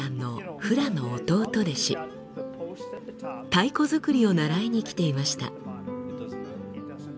太鼓作りを習いに来ていました。